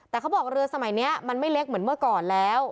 แต่เขาบอกเรือสมัยนี้มันไม่เล็กเหมือนเมื่อก่อนแล้ว